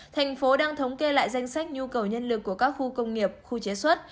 thành phố đang thống kê lại danh sách nhu cầu nhân lực của các khu công nghiệp khu chế xuất